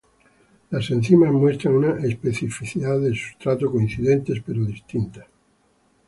Las enzimas muestran una especificidad de sustrato coincidentes pero distintas.